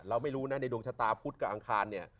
เราไม่รู้นะในดวงชะตาพุทธกับอังคารเนี่ย